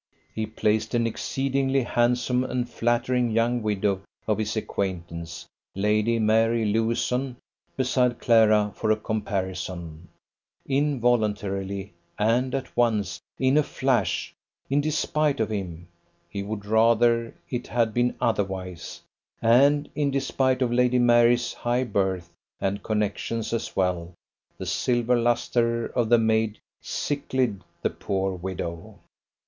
He placed an exceedingly handsome and flattering young widow of his acquaintance, Lady Mary Lewison, beside Clara for a comparison, involuntarily; and at once, in a flash, in despite of him (he would rather it had been otherwise), and in despite of Lady Mary's high birth and connections as well, the silver lustre of the maid sicklied the poor widow.